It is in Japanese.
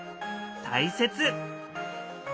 大切。